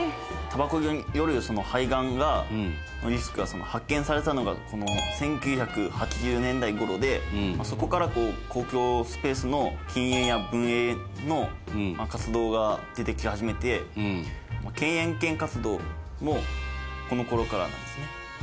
たばこによる肺がんのリスクが発見されたのがこの１９８０年代頃でそこから、公共スペースの禁煙や分煙の活動が出てき始めて嫌煙権活動もこの頃からなんですね。